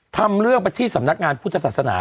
ทำเลื่อนวัตชีสำนักงานพุทธศาสนา